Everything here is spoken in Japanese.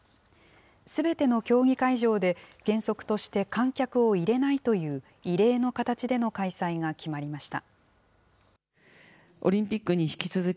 すべての競技会場で、原則として観客を入れないという、異例の形での開催が決まりました。